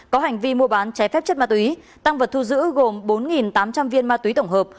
có hành vi mua bán trái phép chất ma túy tăng vật thu giữ gồm bốn tám trăm linh viên ma túy tổng hợp